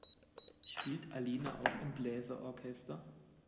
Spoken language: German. Spielt Alina auch im Bläser-Orchester?